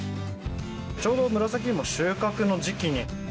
ちょうど紫芋、収穫の時期に。